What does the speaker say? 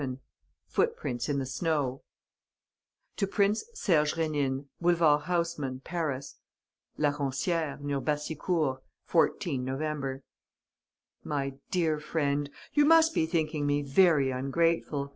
VII FOOTPRINTS IN THE SNOW To Prince Serge Rénine, Boulevard Haussmann, Paris LA RONCIÈRE NEAR BASSICOURT, 14 NOVEMBER. "MY DEAR FRIEND, "You must be thinking me very ungrateful.